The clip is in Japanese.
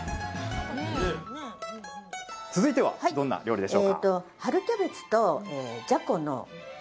続いてはどんな料理でしょうか？